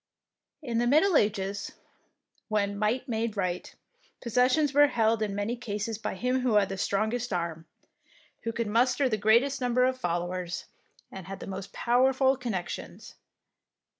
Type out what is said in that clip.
In the Middle Ages, when might made right, possessions were held in many cases by him who had the strong est arm, who could muster the greatest number of followers and had the most powerful connections.